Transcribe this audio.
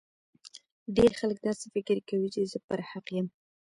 ډیر خلګ داسي فکر کوي چي زه پر حق یم